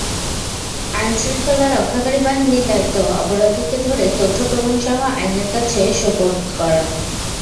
আইনশৃঙ্খলা রক্ষাকারী বাহিনীর দায়িত্ব অপরাধীকে ধরে তথ্য–প্রমাণসহ আইনের কাছে সোপর্দ করা।